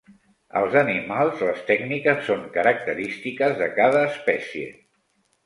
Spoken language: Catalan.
Als animals, les tècniques són característiques de cada espècie.